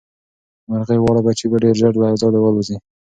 د مرغۍ واړه بچي به ډېر ژر له ځالې والوځي.